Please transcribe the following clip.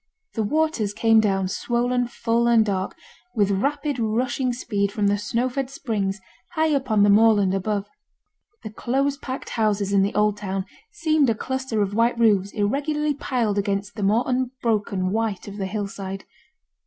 The waters came down, swollen full and dark, with rapid rushing speed from the snow fed springs high up on the moorland above. The close packed houses in the old town seemed a cluster of white roofs irregularly piled against the more unbroken white of the hill side.